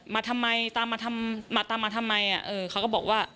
มาทำไมตามมาทำไมเค้าก็บอกว่า